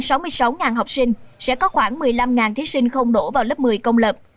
trong thời gian học sinh sẽ có khoảng một mươi năm thí sinh không đổ vào lớp một mươi công lập